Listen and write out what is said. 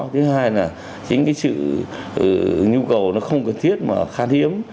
thứ hai là chính cái sự nhu cầu nó không cần thiết mà khan hiếm